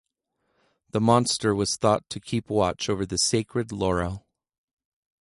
The monster was thought to keep watch over the sacred laurel.